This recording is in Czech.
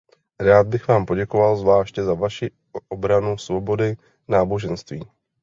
Rád bych vám poděkoval zvláště za vaši obranu svobody náboženství.